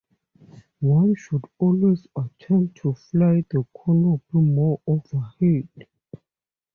One should always attempt to fly the canopy more overhead.